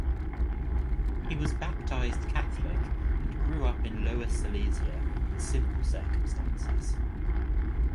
He was baptized catholic and grew up in Lower Silesia in simple circumstances.